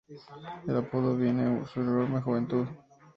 El apodo viene por su enorme juventud.